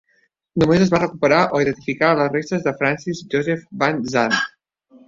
Només es van recuperar o identificar les restes de Francis Joseph Van Zandt.